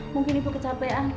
mungkin ibu kecapean